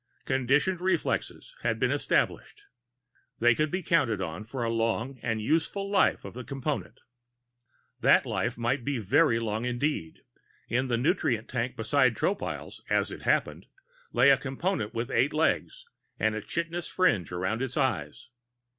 Conditioned reflexes had been established. They could be counted on for the long and useful life of the Component. That life might be very long indeed; in the nutrient tank beside Tropile's, as it happened, lay a Component with eight legs and a chitinous fringe around its eyes.